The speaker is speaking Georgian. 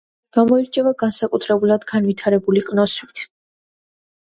გამოირჩევა განსაკუთრებულად განვითარებული ყნოსვით